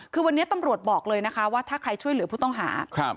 คือวันนี้ตำรวจบอกเลยนะคะว่าถ้าใครช่วยเหลือผู้ต้องหา